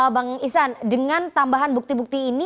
bang isan dengan tambahan bukti bukti ini